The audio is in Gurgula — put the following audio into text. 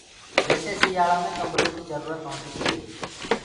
جيسي سيآݪآ مي ڪمبلو ڪيٚ جرورت هونديٚ هي